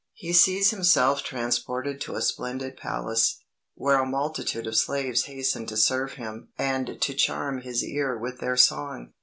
"He sees himself transported to a splendid palace, where a multitude of slaves hasten to serve him and to charm his ear with their song.